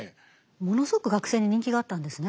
ものすごく学生に人気があったんですね